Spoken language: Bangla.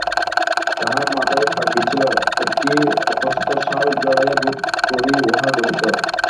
তাঁহার মাথায় পাগড়ি ছিল, একটি অপ্রশস্ত শাল জড়াইয়া বোধ করি উহা গঠিত।